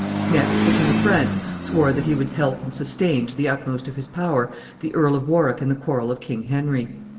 Next, the King of France swore that he would help and sustain, to the utmost of his power, the Earl of Warwick in the quarrel of King Henry.